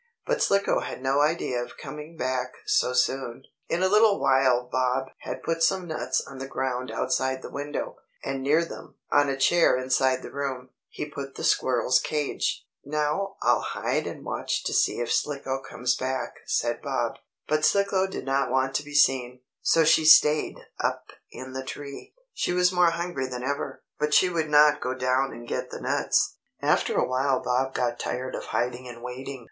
But Slicko had no idea of coming back so soon. In a little while Bob had put some nuts on the ground outside the window, and near them, on a chair inside the room, he put the squirrel's cage. "Now I'll hide and watch to see if Slicko comes back," said Bob. But Slicko did not want to be seen, so she stayed up in the tree. She was more hungry than ever, but she would not go down and get the nuts. After a while Bob got tired of hiding and waiting.